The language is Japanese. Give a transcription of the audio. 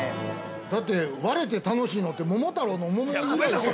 ◆だって、割れて楽しいのって桃太郎の桃以来でしょ。